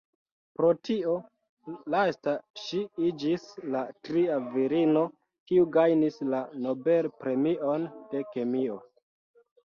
Pro tio lasta ŝi iĝis la tria virino kiu gajnis la Nobel-premion de kemio.